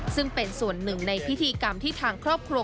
ซึ่งเป็นส่วนหนึ่งในพิธีกรรมที่ทางครอบครัว